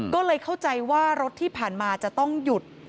ก็เลยเข้าใจว่ารถที่ผ่านมาจะต้องหยุด